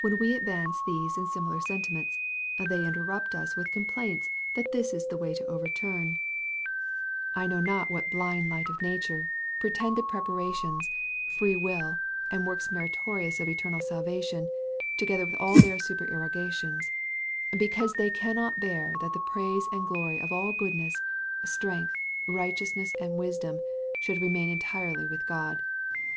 When we advance these and similar sentiments, they interrupt us with complaints that this is the way to overturn, I know not what blind light of nature, pretended preparations, free will, and works meritorious of eternal salvation, together with all their supererogations; because they cannot bear that the praise and glory of all goodness, strength, righteousness, and wisdom, should remain entirely with God.